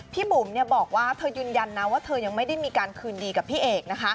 บุ๋มบอกว่าเธอยืนยันนะว่าเธอยังไม่ได้มีการคืนดีกับพี่เอกนะคะ